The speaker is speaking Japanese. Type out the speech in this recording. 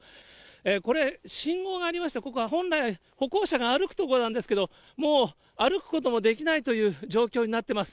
これ、信号がありまして、ここは本来、歩行者が歩く所なんですけれども、もう歩くこともできないという状況になってます。